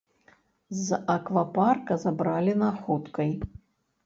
З аквапарка забралі на хуткай.